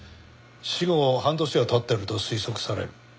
死後半年は経ってると推測される。